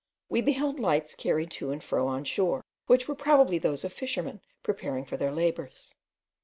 We beheld lights carried to and fro on shore, which were probably those of fishermen preparing for their labours.